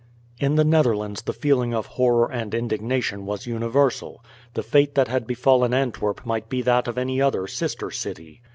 In the Netherlands the feeling of horror and indignation was universal. The fate that had befallen Antwerp might be that of any other sister city.